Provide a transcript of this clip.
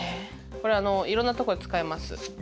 これいろんなとこで使えます。